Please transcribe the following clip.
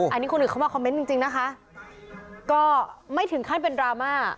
อันนี้คนอื่นเข้ามาคอมเมนต์จริงจริงนะคะก็ไม่ถึงขั้นเป็นดราม่า